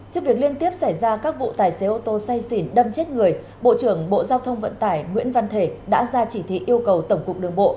trước việc liên tiếp xảy ra các vụ tài xế ô tô say xỉn đâm chết người bộ trưởng bộ giao thông vận tải nguyễn văn thể đã ra chỉ thị yêu cầu tổng cục đường bộ